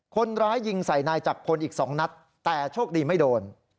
คนร้ายยิงใส่นายจักรพลอีก๒นัดแต่โชคดีไม่โดน